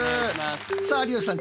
さあ有吉さん